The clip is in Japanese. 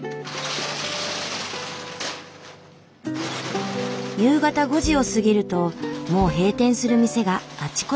夕方５時を過ぎるともう閉店する店があちこちに。